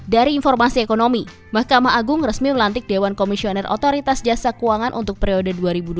dari informasi ekonomi mahkamah agung resmi melantik dewan komisioner otoritas jasa keuangan untuk periode dua ribu dua puluh